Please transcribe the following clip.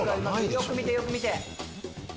よく見てよく見て。